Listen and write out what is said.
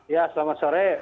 ya selamat sore